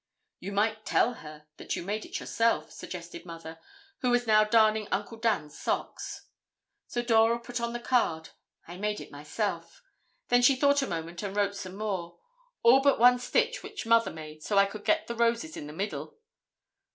"You might tell her that you made it yourself," suggested Mother, who was now darning Uncle Dan's socks. So Dora put on the card: "I made it myself." Then she thought a moment and wrote some more: "All but one stitch which Mother made so I could get the roses in the middle.